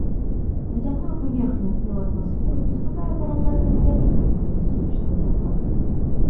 На зямную паверхню і у атмасферу паступае параўнальна невялікая колькасць сонечнага цяпла.